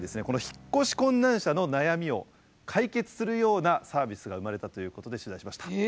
この引っ越し困難者の悩みを解決するようなサービスが生まれたということで取材しました。